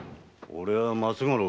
・俺は松五郎。